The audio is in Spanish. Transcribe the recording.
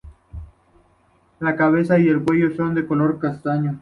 La cabeza y el cuello son de color castaño.